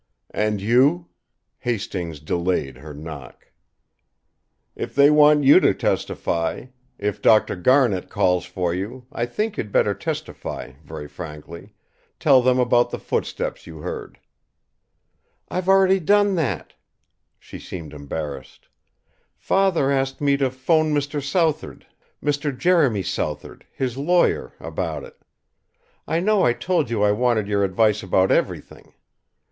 "And you?" Hastings delayed her knock. "If they want you to testify, if Dr. Garnet calls for you, I think you'd better testify very frankly, tell them about the footsteps you heard." "I've already done that." She seemed embarrassed. "Father asked me to 'phone Mr. Southard, Mr. Jeremy Southard, his lawyer, about it. I know I told you I wanted your advice about everything.